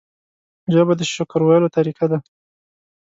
ژبه د شکر ویلو طریقه ده